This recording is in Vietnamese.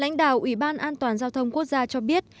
lãnh đạo ủy ban an toàn giao thông quốc gia cho biết